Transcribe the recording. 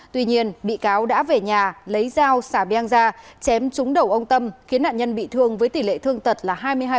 tuy nhiên bị cáo đã về nhà lấy dao xà beng da chém trúng đầu ông tâm khiến nạn nhân bị thương với tỷ lệ thương tật là hai mươi hai